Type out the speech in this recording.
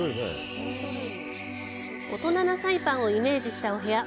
大人なサイパンをイメージしたお部屋。